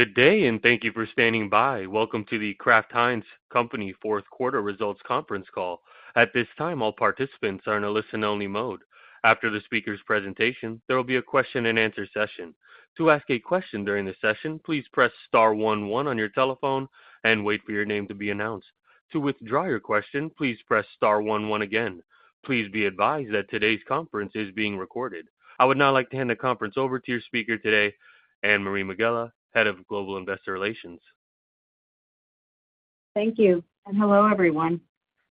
Good day and thank you for standing by. Welcome to the Kraft Heinz Company 4th Quarter Results Conference Call. At this time, all participants are in a listen-only mode. After the speaker's presentation, there will be a question-and-answer session. To ask a question during the session, please press star 1,1 on your telephone and wait for your name to be announced. To withdraw your question, please press star 1,1 again. Please be advised that today's conference is being recorded. I would now like to hand the conference over to your speaker today, Anne-Marie Megela, Head of Global Investor Relations. Thank you, and hello everyone.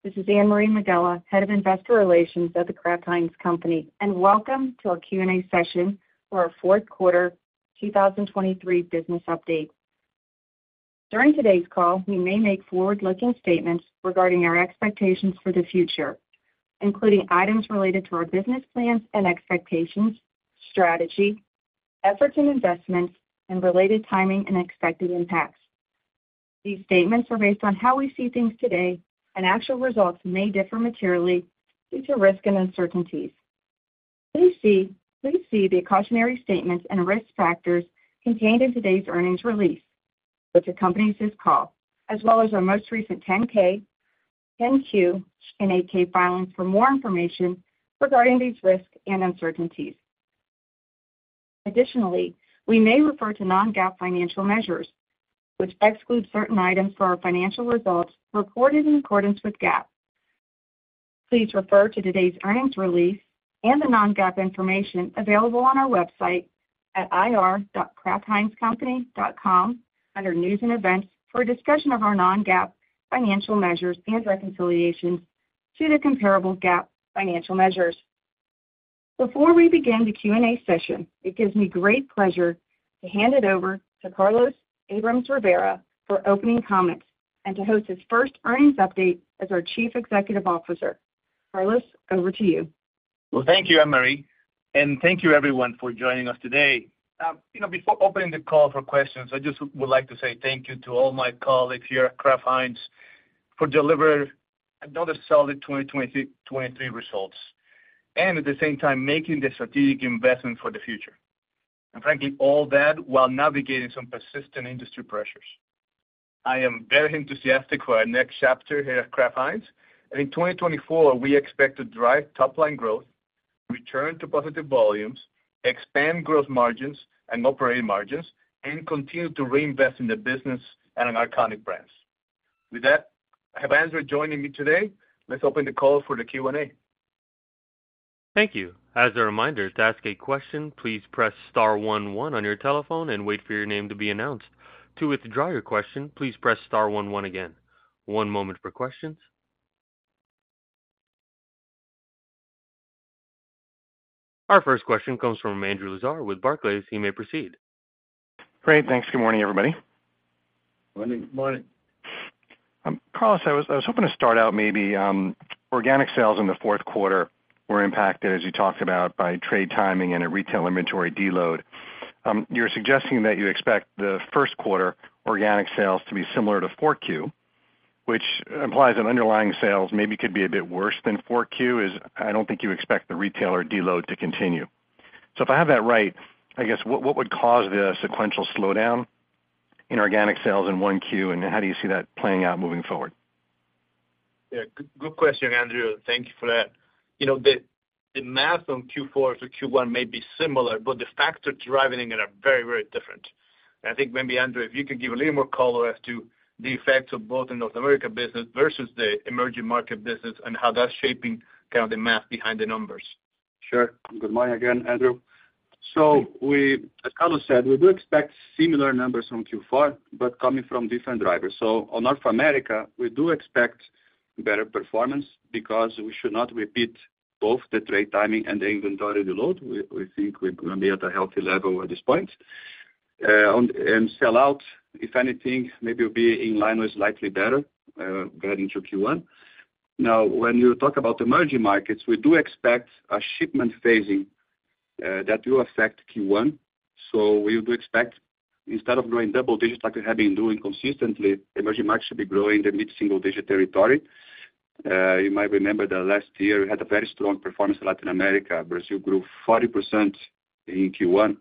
This is Anne-Marie Megela, Head of Investor Relations at The Kraft Heinz Company, and welcome to our Q&A session for our 4th Quarter 2023 Business Update. During today's call, we may make forward-looking statements regarding our expectations for the future, including items related to our business plans and expectations, strategy, efforts and investments, and related timing and expected impacts. These statements are based on how we see things today, and actual results may differ materially due to risk and uncertainties. Please see the cautionary statements and risk factors contained in today's earnings release, which accompanies this call, as well as our most recent 10-K, 10-Q, and 8-K filings for more information regarding these risks and uncertainties. Additionally, we may refer to non-GAAP financial measures, which exclude certain items from our financial results reported in accordance with GAAP. Please refer to today's earnings release and the non-GAAP information available on our website at ir.kraftheinzcompany.com under News and Events for a discussion of our non-GAAP financial measures and reconciliations to the comparable GAAP financial measures. Before we begin the Q&A session, it gives me great pleasure to hand it over to Carlos Abrams-Rivera for opening comments and to host his first earnings update as our Chief Executive Officer. Carlos, over to you. Well, thank you, Anne-Marie, and thank you everyone for joining us today. Before opening the call for questions, I just would like to say thank you to all my colleagues here at Kraft Heinz for delivering another solid 2023 results and, at the same time, making the strategic investment for the future. And frankly, all that while navigating some persistent industry pressures. I am very enthusiastic for our next chapter here at Kraft Heinz. And in 2024, we expect to drive top-line growth, return to positive volumes, expand gross margins and operating margins, and continue to reinvest in the business and our iconic brands. With that, I have Andre joining me today. Let's open the call for the Q&A. Thank you. As a reminder, to ask a question, please press star 1,1 on your telephone and wait for your name to be announced. To withdraw your question, please press star 1,1 again. One moment for questions. Our first question comes from Andrew Lazar. With Barclays, he may proceed. Great. Thanks. Good morning, everybody. Good morning. Carlos, I was hoping to start out maybe organic sales in the 4th quarter were impacted, as you talked about, by trade timing and a retail inventory deload. You're suggesting that you expect the 1st quarter organic sales to be similar to 4Q, which implies that underlying sales maybe could be a bit worse than 4Q as I don't think you expect the retailer deload to continue. So if I have that right, I guess what would cause the sequential slowdown in organic sales in 1Q, and how do you see that playing out moving forward? Yeah, good question, Andrew. Thank you for that. The math on Q4 to Q1 may be similar, but the factors driving it are very, very different. And I think maybe, Andrew, if you could give a little more color as to the effects of both the North America business versus the emerging market business and how that's shaping kind of the math behind the numbers. Sure. Good morning again, Andre. So as Carlos said, we do expect similar numbers on Q4, but coming from different drivers. So on North America, we do expect better performance because we should not repeat both the trade timing and the inventory deload. We think we're going to be at a healthy level at this point. And sell-out, if anything, maybe will be in line with slightly better going into Q1. Now, when you talk about emerging markets, we do expect a shipment phasing that will affect Q1. So we do expect, instead of growing double digits like we have been doing consistently, emerging markets should be growing the mid-single digit territory. You might remember that last year we had a very strong performance in Latin America. Brazil grew 40% in Q1.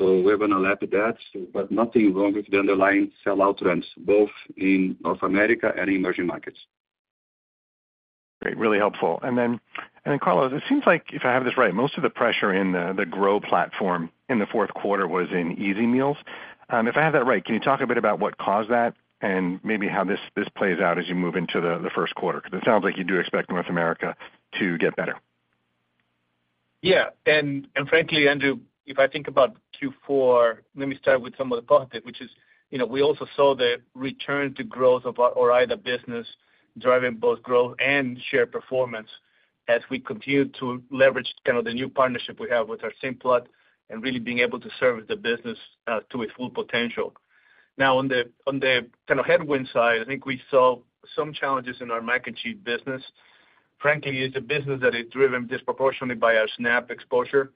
We're going to lap that, but nothing wrong with the underlying sell-out trends, both in North America and emerging markets. Great. Really helpful. And then, Carlos, it seems like, if I have this right, most of the pressure in the Grow platform in the 4th quarter was in easy meals. If I have that right, can you talk a bit about what caused that and maybe how this plays out as you move into the 1st quarter? Because it sounds like you do expect North America to get better. Yeah. And frankly, Andre, if I think about Q4, let me start with some of the positive, which is we also saw the return to growth of our Ore-Ida business driving both growth and share performance as we continued to leverage kind of the new partnership we have with our Simplot and really being able to serve the business to its full potential. Now, on the kind of headwind side, I think we saw some challenges in our Mac and Cheese business. Frankly, it's a business that is driven disproportionately by our SNAP exposure.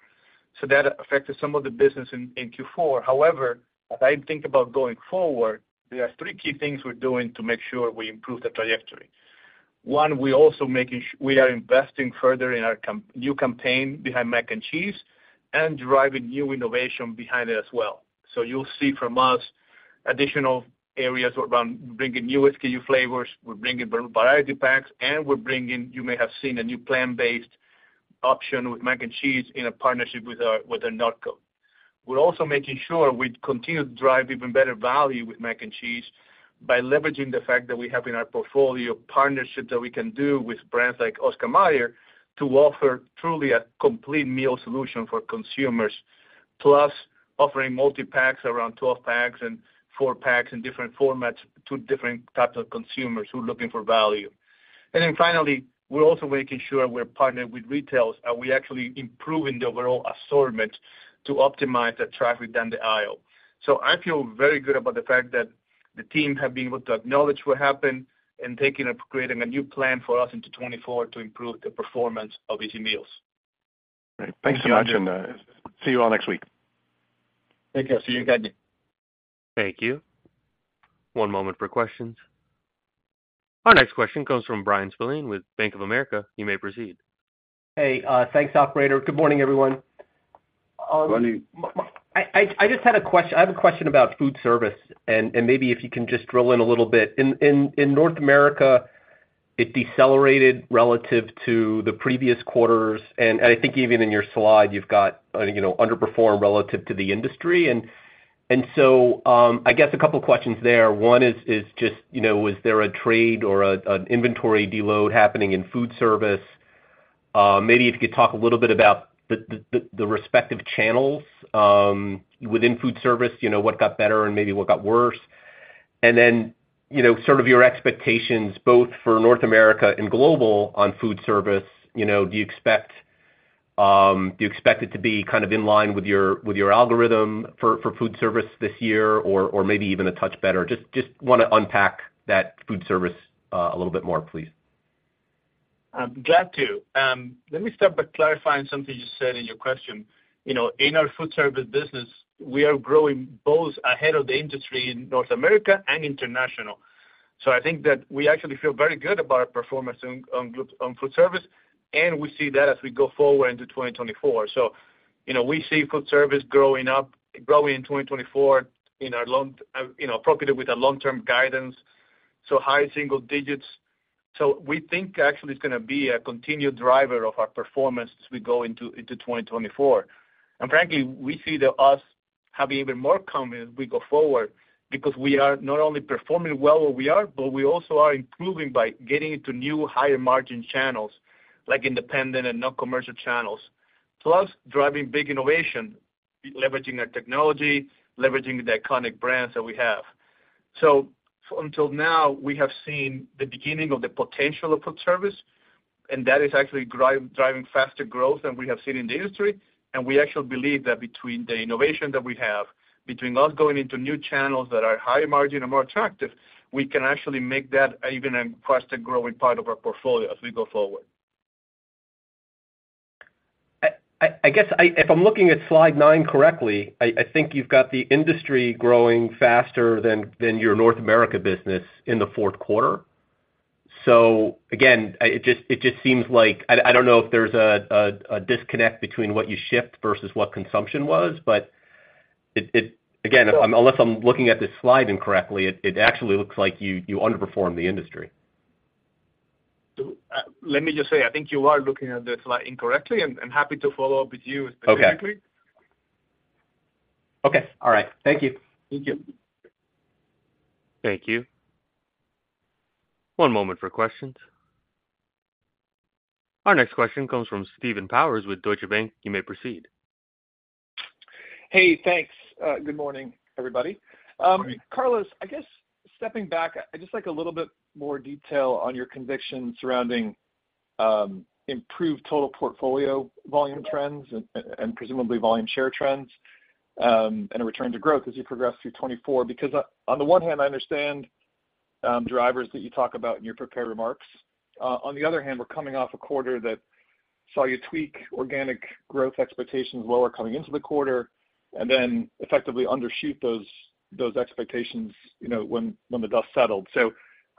So that affected some of the business in Q4. However, as I think about going forward, there are three key things we're doing to make sure we improve the trajectory. One, we are investing further in our new campaign behind Mac and Cheese and driving new innovation behind it as well. So you'll see from us additional areas around bringing new whiskey flavors. We're bringing variety packs, and we're bringing. You may have seen a new plant-based option with Mac and Cheese in a partnership with our NotCo. We're also making sure we continue to drive even better value with Mac and Cheese by leveraging the fact that we have in our portfolio partnerships that we can do with brands like Oscar Mayer to offer truly a complete meal solution for consumers, plus offering multi-packs around 12 packs and 4 packs in different formats to different types of consumers who are looking for value. And then finally, we're also making sure we're partnering with retailers. Are we actually improving the overall assortment to optimize the traffic down the aisle? I feel very good about the fact that the team have been able to acknowledge what happened and creating a new plan for us into 2024 to improve the performance of easy meals. Great. Thanks so much, and see you all next week. Take care. See you in CAGNY. Thank you. One moment for questions. Our next question comes from Bryan Spillane with Bank of America. You may proceed. Hey, thanks, operator. Good morning, everyone. Good morning. I just had a question. I have a question about food service, and maybe if you can just drill in a little bit. In North America, it decelerated relative to the previous quarters, and I think even in your slide, you've got underperformed relative to the industry. And so I guess a couple of questions there. One is just, was there a trade or an inventory deload happening in food service? Maybe if you could talk a little bit about the respective channels within food service, what got better and maybe what got worse. And then sort of your expectations, both for North America and global on food service, do you expect it to be kind of in line with your algorithm for food service this year or maybe even a touch better? Just want to unpack that food service a little bit more, please. I'd love to. Let me start by clarifying something you said in your question. In our food service business, we are growing both ahead of the industry in North America and international. So I think that we actually feel very good about our performance on food service, and we see that as we go forward into 2024. So we see food service growing in 2024 appropriately with our long-term guidance, so high single digits. So we think actually it's going to be a continued driver of our performance as we go into 2024. And frankly, we see us having even more confidence as we go forward because we are not only performing well where we are, but we also are improving by getting into new higher-margin channels, like independent and non-commercial channels, plus driving big innovation, leveraging our technology, leveraging the iconic brands that we have. So until now, we have seen the beginning of the potential of food service, and that is actually driving faster growth than we have seen in the industry. And we actually believe that between the innovation that we have, between us going into new channels that are higher-margin and more attractive, we can actually make that even a faster-growing part of our portfolio as we go forward. I guess if I'm looking at slide 9 correctly, I think you've got the industry growing faster than your North America business in the 4th quarter. So again, it just seems like I don't know if there's a disconnect between what you shipped versus what consumption was, but again, unless I'm looking at this slide incorrectly, it actually looks like you underperformed the industry. Let me just say, I think you are looking at the slide incorrectly, and happy to follow up with you specifically. Okay. All right. Thank you. Thank you. Thank you. One moment for questions. Our next question comes from Stephen Powers with Deutsche Bank. You may proceed. Hey, thanks. Good morning, everybody. Carlos, I guess stepping back, I'd just like a little bit more detail on your conviction surrounding improved total portfolio volume trends and presumably volume share trends and a return to growth as you progress through 2024. Because on the one hand, I understand drivers that you talk about in your prepared remarks. On the other hand, we're coming off a quarter that saw you tweak organic growth expectations lower coming into the quarter and then effectively undershoot those expectations when the dust settled. So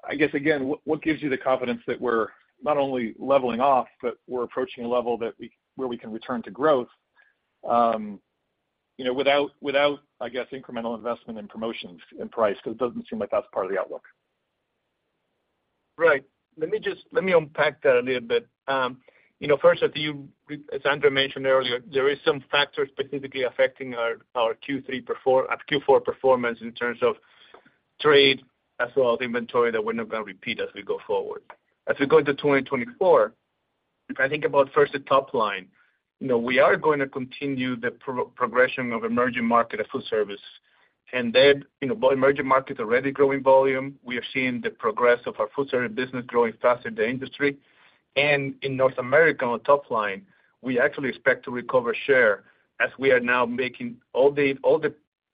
I guess, again, what gives you the confidence that we're not only leveling off, but we're approaching a level where we can return to growth without, I guess, incremental investment in promotions and price? Because it doesn't seem like that's part of the outlook. Right. Let me unpack that a little bit. First, as Andre mentioned earlier, there are some factors specifically affecting our Q4 performance in terms of trade as well as inventory that we're not going to repeat as we go forward. As we go into 2024, if I think about first the top line, we are going to continue the progression of emerging market of food service. And then, while emerging markets are already growing volume, we are seeing the progress of our food service business growing faster than the industry. And in North America, on the top line, we actually expect to recover share as we are now making all the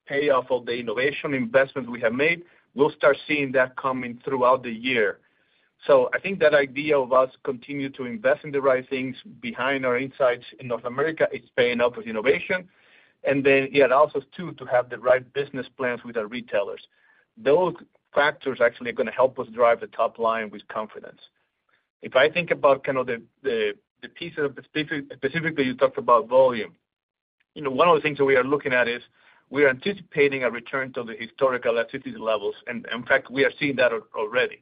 payoff of the innovation investments we have made. We'll start seeing that coming throughout the year. So I think that idea of us continuing to invest in the right things behind our insights in North America is paying off with innovation. And then it allows us, too, to have the right business plans with our retailers. Those factors actually are going to help us drive the top line with confidence. If I think about kind of the pieces specifically you talked about volume, one of the things that we are looking at is we are anticipating a return to the historical elasticity levels. And in fact, we are seeing that already.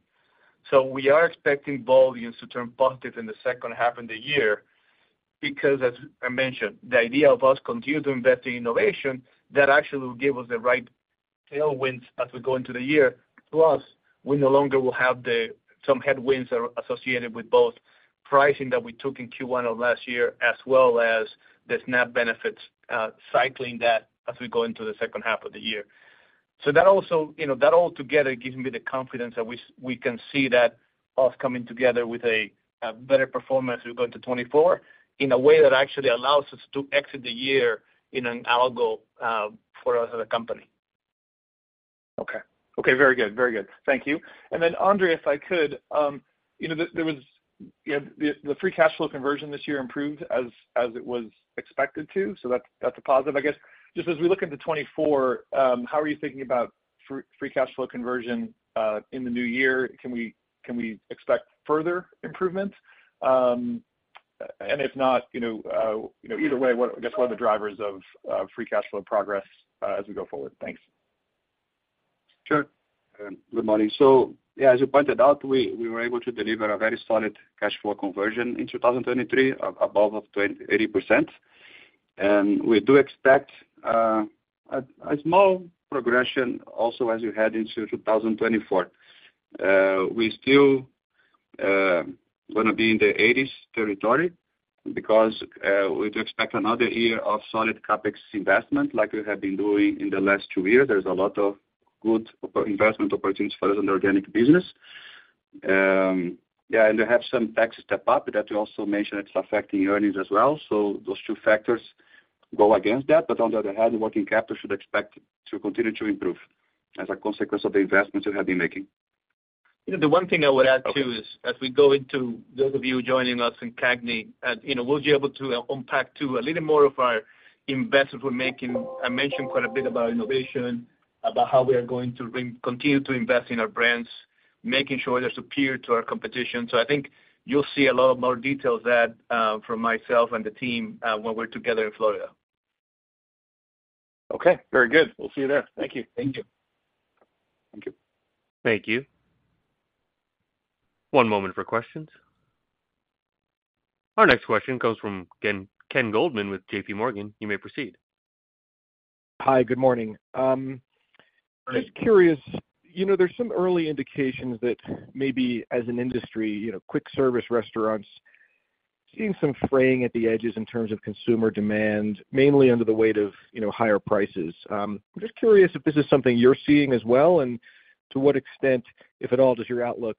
So we are expecting volumes to turn positive in the second half of the year because, as I mentioned, the idea of us continuing to invest in innovation, that actually will give us the right tailwinds as we go into the year. Plus, we no longer will have some headwinds associated with both pricing that we took in Q1 of last year as well as the SNAP benefits cycling that as we go into the second half of the year. So that altogether gives me the confidence that we can see us coming together with a better performance as we go into 2024 in a way that actually allows us to exit the year in an algo for us as a company. Okay. Okay. Very good. Very good. Thank you. And then, Andre, if I could, there was the free cash flow conversion this year improved as it was expected to. So that's a positive, I guess. Just as we look into 2024, how are you thinking about free cash flow conversion in the new year? Can we expect further improvements? And if not, either way, I guess what are the drivers of free cash flow progress as we go forward? Thanks. Sure. Good morning. So yeah, as you pointed out, we were able to deliver a very solid cash flow conversion in 2023 above 80%. And we do expect a small progression also as we head into 2024. We're still going to be in the 80s territory because we do expect another year of solid CapEx investment like we have been doing in the last two years. There's a lot of good investment opportunities for us in the organic business. Yeah. And we have some tax step-up that we also mentioned it's affecting earnings as well. So those two factors go against that. But on the other hand, working capital should expect to continue to improve as a consequence of the investments we have been making. The one thing I would add, too, is as we go into those of you joining us in CAGNY, we'll be able to unpack, too, a little more of our investments we're making. I mentioned quite a bit about innovation, about how we are going to continue to invest in our brands, making sure they're superior to our competition. So I think you'll see a lot of more details of that from myself and the team when we're together in Florida. Okay. Very good. We'll see you there. Thank you. Thank you. Thank you. Thank you. One moment for questions. Our next question comes from Ken Goldman with JP Morgan. You may proceed. Hi. Good morning. I'm just curious. There's some early indications that maybe as an industry, quick service restaurants, seeing some fraying at the edges in terms of consumer demand, mainly under the weight of higher prices. I'm just curious if this is something you're seeing as well, and to what extent, if at all, does your outlook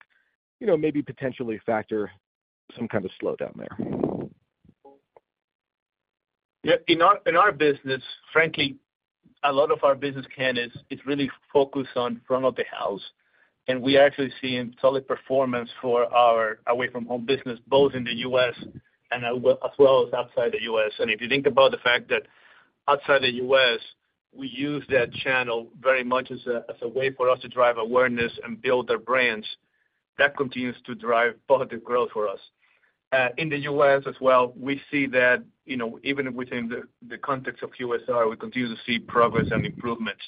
maybe potentially factor some kind of slowdown there? Yeah. In our business, frankly, a lot of our business is really focused on front of the house. And we are actually seeing solid performance for our away-from-home business, both in the U.S. as well as outside the U.S. And if you think about the fact that outside the U.S., we use that channel very much as a way for us to drive awareness and build our brands, that continues to drive positive growth for us. In the U.S. as well, we see that even within the context of QSR, we continue to see progress and improvements.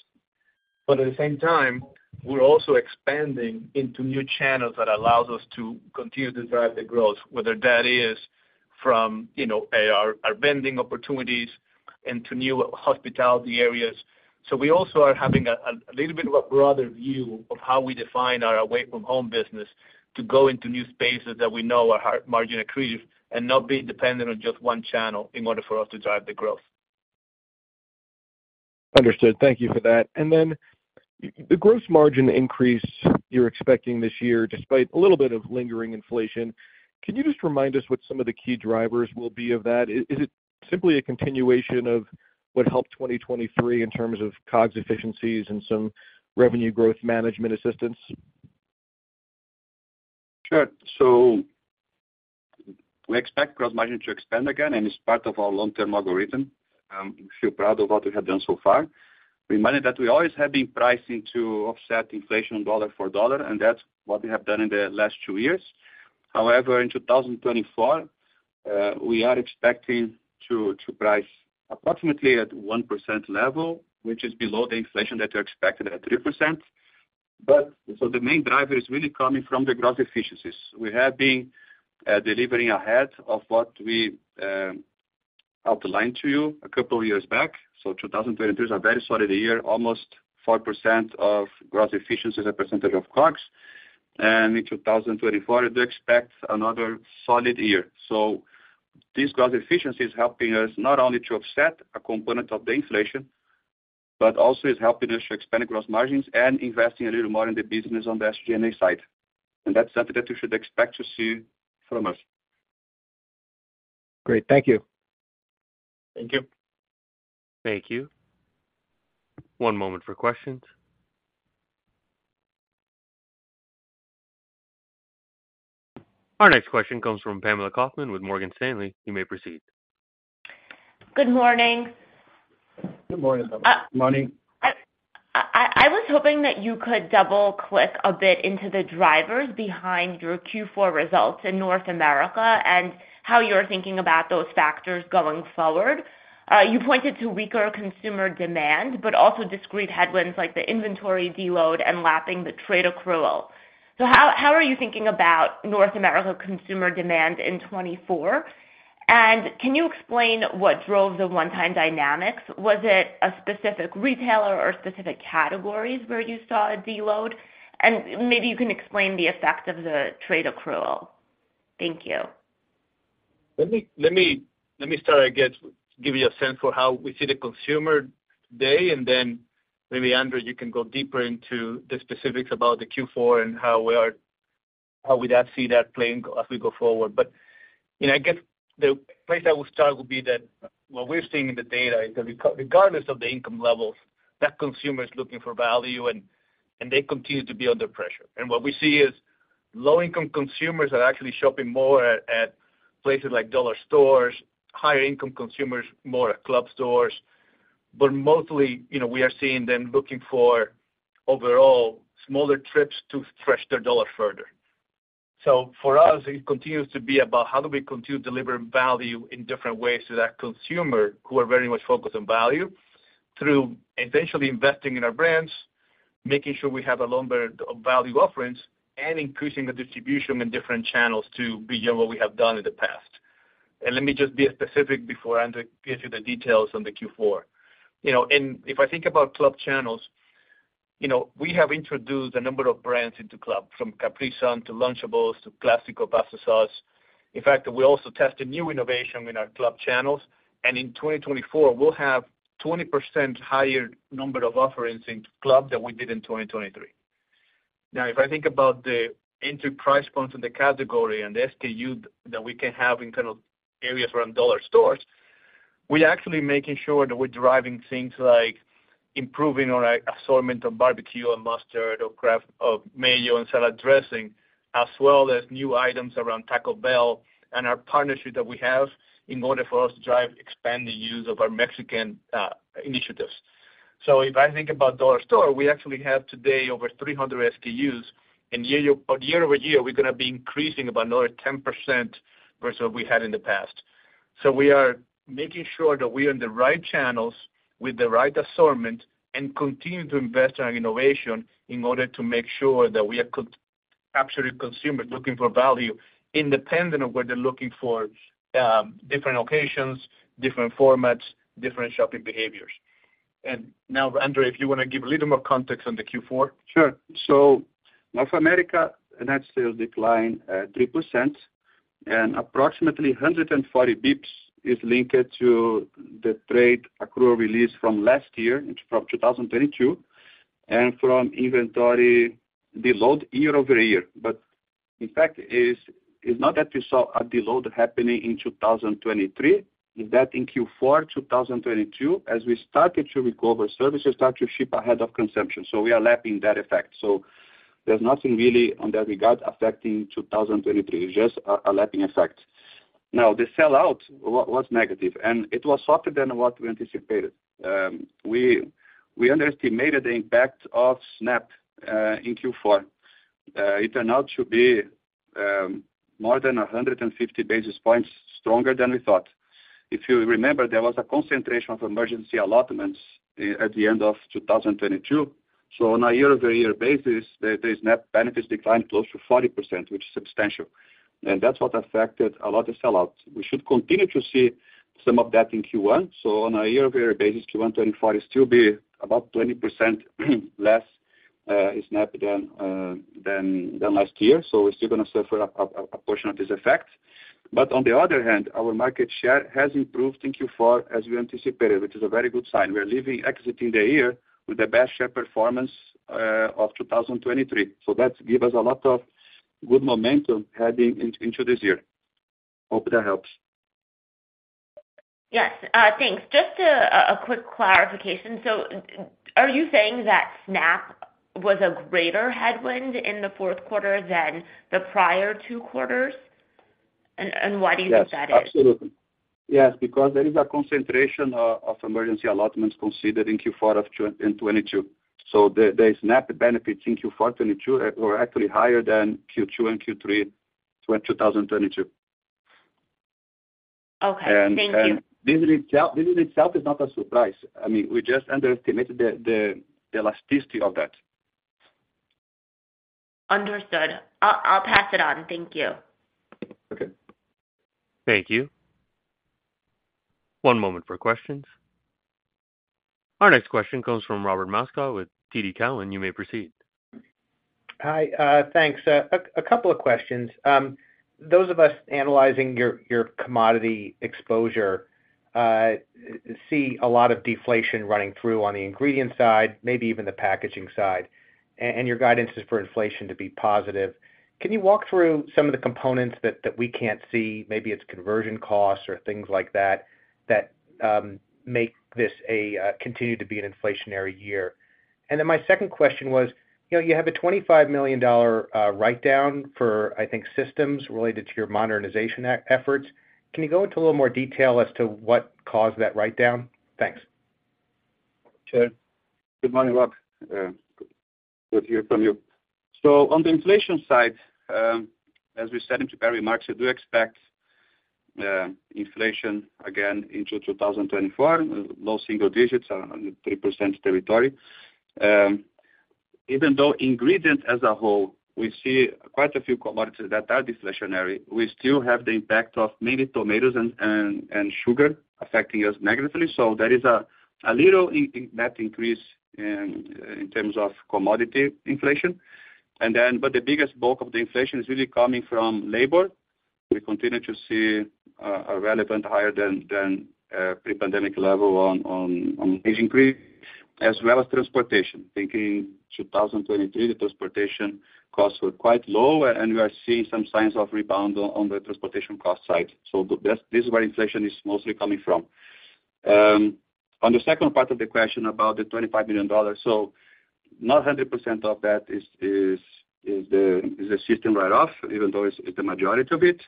But at the same time, we're also expanding into new channels that allows us to continue to drive the growth, whether that is from our vending opportunities into new hospitality areas. So we also are having a little bit of a broader view of how we define our away-from-home business to go into new spaces that we know are margin accretive and not be dependent on just one channel in order for us to drive the growth. Understood. Thank you for that. And then the gross margin increase you're expecting this year despite a little bit of lingering inflation, can you just remind us what some of the key drivers will be of that? Is it simply a continuation of what helped 2023 in terms of COGS efficiencies and some revenue growth management assistance? Sure. So we expect gross margin to expand again, and it's part of our long-term algorithm. We feel proud of what we have done so far. Reminding that we always have been pricing to offset inflation dollar for dollar, and that's what we have done in the last two years. However, in 2024, we are expecting to price approximately at 1% level, which is below the inflation that you're expecting at 3%. So the main driver is really coming from the gross efficiencies. We have been delivering ahead of what we outlined to you a couple of years back. So 2023 is a very solid year, almost 4% of gross efficiencies as a percentage of COGS. And in 2024, I do expect another solid year. This gross efficiency is helping us not only to offset a component of the inflation, but also is helping us to expand gross margins and investing a little more in the business on the SG&A side. That's something that you should expect to see from us. Great. Thank you. Thank you. Thank you. One moment for questions. Our next question comes from Pamela Kaufman with Morgan Stanley. You may proceed. Good morning. Good morning, Pamela. Good morning. I was hoping that you could double-click a bit into the drivers behind your Q4 results in North America and how you're thinking about those factors going forward. You pointed to weaker consumer demand, but also discrete headwinds like the inventory deload and lapping the trade accrual. So how are you thinking about North America consumer demand in 2024? And can you explain what drove the one-time dynamics? Was it a specific retailer or specific categories where you saw a deload? And maybe you can explain the effect of the trade accrual. Thank you. Let me start, I guess, giving you a sense for how we see the consumer today. And then maybe, Andrew, you can go deeper into the specifics about the Q4 and how we would see that playing as we go forward. But I guess the place I will start will be that what we're seeing in the data is that regardless of the income levels, that consumer is looking for value, and they continue to be under pressure. And what we see is low-income consumers are actually shopping more at places like dollar stores, higher-income consumers more at club stores. But mostly, we are seeing them looking for, overall, smaller trips to stretch their dollar further. So for us, it continues to be about how do we continue to deliver value in different ways to that consumer who are very much focused on value through essentially investing in our brands, making sure we have a longer value offerings, and increasing the distribution in different channels to beyond what we have done in the past. Let me just be specific before Andrew gives you the details on the Q4. If I think about club channels, we have introduced a number of brands into club, from Capri Sun to Lunchables to Classico Pasta Sauce. In fact, we also tested new innovation in our club channels. In 2024, we'll have a 20% higher number of offerings in club than we did in 2023. Now, if I think about the entry-price points in the category and the SKU that we can have in kind of areas around dollar stores, we're actually making sure that we're driving things like improving our assortment of barbecue and mustard or mayo and salad dressing, as well as new items around Taco Bell and our partnership that we have in order for us to drive expanding use of our Mexican initiatives. So if I think about dollar store, we actually have today over 300 SKUs. And year-over-year, we're going to be increasing about another 10% versus what we had in the past. So we are making sure that we're in the right channels with the right assortment and continue to invest in our innovation in order to make sure that we are capturing consumers looking for value independent of where they're looking for different occasions, different formats, different shopping behaviors. And now, Andrew, if you want to give a little more context on the Q4. Sure. So North America net sales decline at 3%. And approximately 140 bps is linked to the trade accrual release from last year, from 2022, and from inventory deload year-over-year. But in fact, it's not that we saw a deload happening in 2023. It's that in Q4, 2022, as we started to recover services, start to ship ahead of consumption. So we are lapping that effect. So there's nothing really on that regard affecting 2023. It's just a lapping effect. Now, the sellout was negative, and it was softer than what we anticipated. We underestimated the impact of SNAP in Q4. It turned out to be more than 150 basis points stronger than we thought. If you remember, there was a concentration of emergency allotments at the end of 2022. On a year-over-year basis, the SNAP benefits declined close to 40%, which is substantial. That's what affected a lot of sellout. We should continue to see some of that in Q1. On a year-over-year basis, Q1 2024 is still about 20% less SNAP than last year. We're still going to suffer a portion of this effect. On the other hand, our market share has improved in Q4 as we anticipated, which is a very good sign. We're exiting the year with the best share performance of 2023. That gives us a lot of good momentum heading into this year. Hope that helps. Yes. Thanks. Just a quick clarification. So are you saying that SNAP was a greater headwind in the fourth quarter than the prior two quarters? And why do you think that is? Yes. Absolutely. Yes. Because there is a concentration of emergency allotments considered in Q4 2022. So the SNAP benefits in Q4 2022 were actually higher than Q2 and Q3 2022. Okay. Thank you. This in itself is not a surprise. I mean, we just underestimated the elasticity of that. Understood. I'll pass it on. Thank you. Okay. Thank you. One moment for questions. Our next question comes from Robert Moskow with TD Cowen. You may proceed. Hi. Thanks. A couple of questions. Those of us analyzing your commodity exposure see a lot of deflation running through on the ingredient side, maybe even the packaging side. And your guidance is for inflation to be positive. Can you walk through some of the components that we can't see? Maybe it's conversion costs or things like that that make this continue to be an inflationary year. And then my second question was, you have a $25 million write-down for, I think, systems related to your modernization efforts. Can you go into a little more detail as to what caused that write-down? Thanks. Sure. Good morning, Rob. Good to hear from you. So on the inflation side, as we said in preparing markets, we do expect inflation again into 2024, low single digits in the 3% territory. Even though ingredients as a whole, we see quite a few commodities that are deflationary, we still have the impact of mainly tomatoes and sugar affecting us negatively. So there is a little net increase in terms of commodity inflation. But the biggest bulk of the inflation is really coming from labor. We continue to see a relevantly higher than pre-pandemic level on wage increase, as well as transportation. Thinking 2023, the transportation costs were quite low, and we are seeing some signs of rebound on the transportation cost side. So this is where inflation is mostly coming from. On the second part of the question about the $25 million, so not 100% of that is the system write-off, even though it's the majority of it.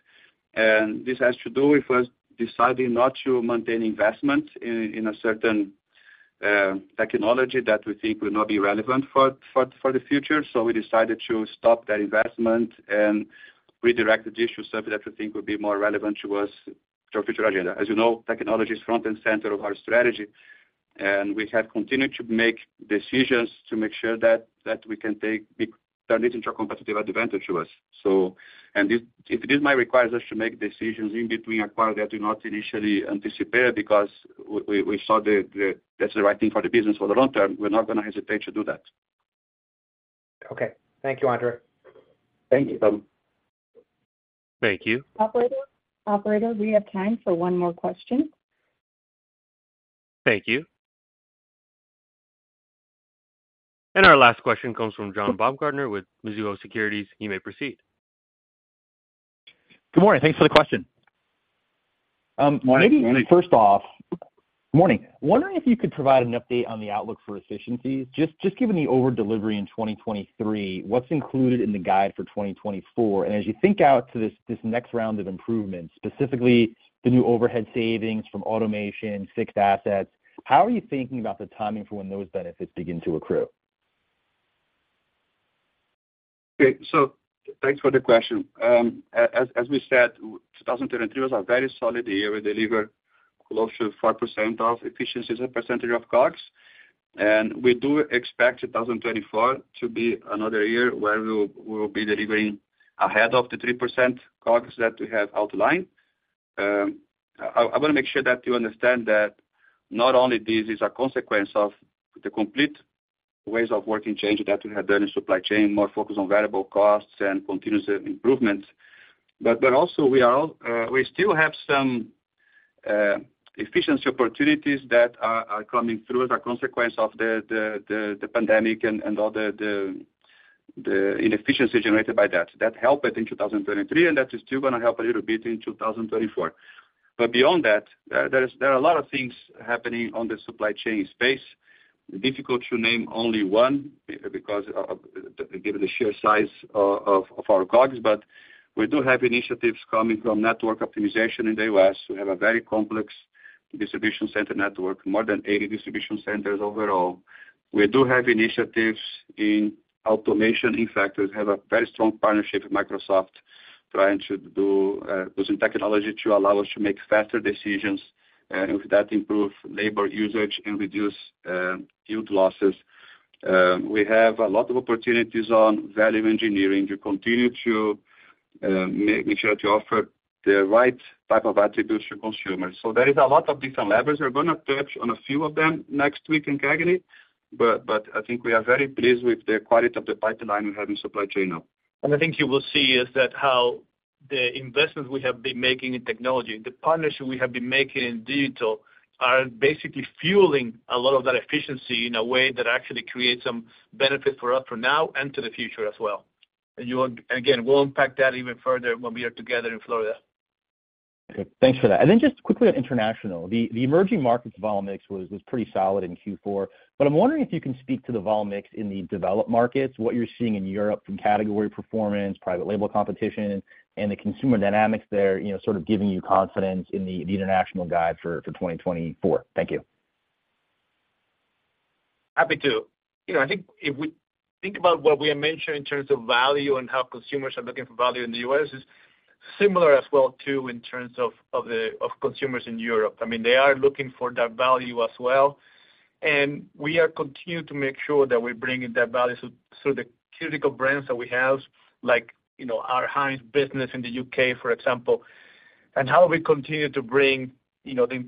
And this has to do with us deciding not to maintain investment in a certain technology that we think will not be relevant for the future. So we decided to stop that investment and redirect the issues, something that we think would be more relevant to our future agenda. As you know, technology is front and center of our strategy. And we have continued to make decisions to make sure that we can take turn it into a competitive advantage to us. And if this might require us to make decisions in between acquired that we not initially anticipated because we saw that's the right thing for the business for the long term, we're not going to hesitate to do that. Okay. Thank you, Andre. Thank you, Rob. Thank you. Operator, we have time for one more question. Thank you. And our last question comes from John Baumgartner with Mizuho Securities. You may proceed. Good morning. Thanks for the question. Good morning. Maybe first off, good morning. Wondering if you could provide an update on the outlook for efficiencies. Just given the overdelivery in 2023, what's included in the guide for 2024? And as you think out to this next round of improvements, specifically the new overhead savings from automation, fixed assets, how are you thinking about the timing for when those benefits begin to accrue? Okay. So thanks for the question. As we said, 2023 was a very solid year. We delivered close to 4% of efficiencies as a percentage of COGS. And we do expect 2024 to be another year where we will be delivering ahead of the 3% COGS that we have outlined. I want to make sure that you understand that not only this is a consequence of the complete ways of working change that we have done in supply chain, more focus on variable costs and continuous improvements, but also we still have some efficiency opportunities that are coming through as a consequence of the pandemic and all the inefficiency generated by that. That helped in 2023, and that is still going to help a little bit in 2024. But beyond that, there are a lot of things happening on the supply chain space. Difficult to name only one given the sheer size of our COGS. But we do have initiatives coming from network optimization in the U.S. We have a very complex distribution center network, more than 80 distribution centers overall. We do have initiatives in automation. In fact, we have a very strong partnership with Microsoft trying to use technology to allow us to make faster decisions and with that improve labor usage and reduce yield losses. We have a lot of opportunities on value engineering to continue to make sure that we offer the right type of attributes to consumers. So there is a lot of different levers. We're going to touch on a few of them next week in CAGNY, but I think we are very pleased with the quality of the pipeline we have in supply chain now. I think you will see is that how the investments we have been making in technology, the partnership we have been making in digital are basically fueling a lot of that efficiency in a way that actually creates some benefits for us for now and to the future as well. Again, we'll impact that even further when we are together in Florida. Okay. Thanks for that. And then just quickly on international, the emerging markets volume mix was pretty solid in Q4. But I'm wondering if you can speak to the volume mix in the developed markets, what you're seeing in Europe from category performance, private label competition, and the consumer dynamics there sort of giving you confidence in the international guide for 2024? Thank you. Happy to. I think if we think about what we have mentioned in terms of value and how consumers are looking for value in the U.S. is similar as well too in terms of consumers in Europe. I mean, they are looking for that value as well. We are continuing to make sure that we're bringing that value through the critical brands that we have, like our Heinz business in the U.K., for example, and how we continue to bring the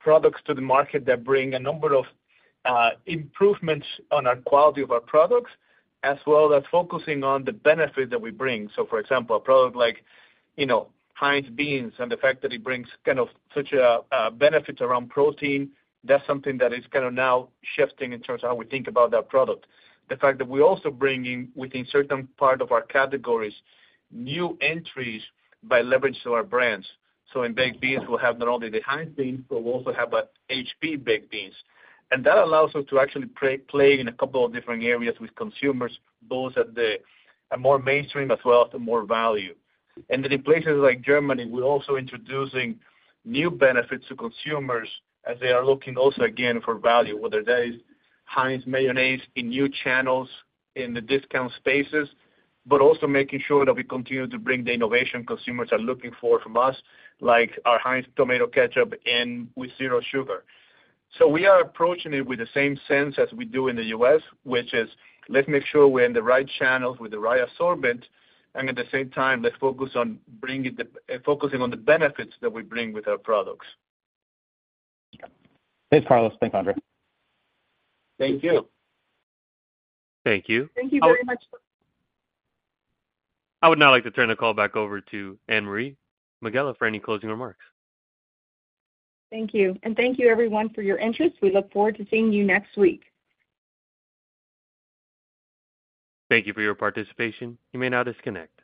products to the market that bring a number of improvements on our quality of our products, as well as focusing on the benefits that we bring. So, for example, a product like Heinz beans and the fact that it brings kind of such benefits around protein, that's something that is kind of now shifting in terms of how we think about that product. The fact that we're also bringing within certain part of our categories new entries by leveraging our brands. So in baked beans, we'll have not only the Heinz beans, but we'll also have HP baked beans. And that allows us to actually play in a couple of different areas with consumers, both at the more mainstream as well as the more value. And then in places like Germany, we're also introducing new benefits to consumers as they are looking also again for value, whether that is Heinz mayonnaise in new channels in the discount spaces, but also making sure that we continue to bring the innovation consumers are looking for from us, like our Heinz tomato ketchup with zero sugar. So we are approaching it with the same sense as we do in the U.S., which is let's make sure we're in the right channels with the right assortment. At the same time, let's focus on bringing the focus on the benefits that we bring with our products. Thanks, Carlos. Thanks, Andre. Thank you. Thank you. Thank you very much for. I would now like to turn the call back over to Anne-Marie Megela for any closing remarks. Thank you. Thank you, everyone, for your interest. We look forward to seeing you next week. Thank you for your participation. You may now disconnect.